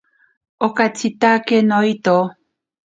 Okatsitake noito.